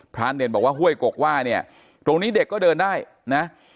เด่นบอกว่าห้วยกกว่าเนี่ยตรงนี้เด็กก็เดินได้นะ